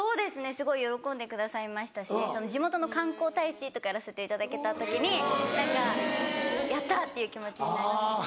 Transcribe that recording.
すごい喜んでくださいましたし地元の観光大使とかやらせていただけた時に何かやった！っていう気持ちになりましたし。